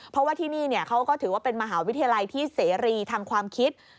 เพราะว่าที่นี่เขาก็ถือว่าเป็นมหาวิทยาลัยที่เสรีทางความคิด